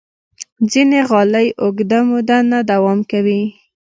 ځینې غالۍ اوږده موده نه دوام کوي.